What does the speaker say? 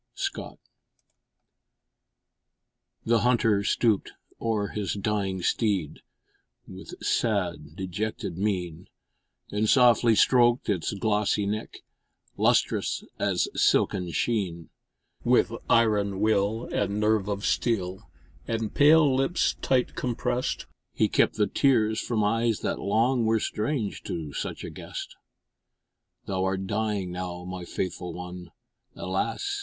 Scott The Hunter stooped o'er his dying steed With sad dejected mien, And softly stroked its glossy neck, Lustrous as silken sheen; With iron will and nerve of steel, And pale lips tight compressed, He kept the tears from eyes that long Were strange to such a guest. Thou'rt dying now, my faithful one, Alas!